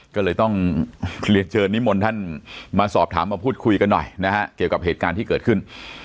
ก็เลยต้องเรียนเชิญนิมนต์ท่านมาสอบถามมาพูดคุยกันหน่อยนะฮะเกี่ยวกับเหตุการณ์ที่เกิดขึ้น